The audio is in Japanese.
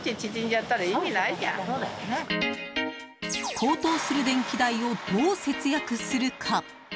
高騰する電気代をどう節約するか。